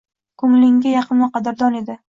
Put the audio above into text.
Ko’nglingga yaqin va qadrdon edi.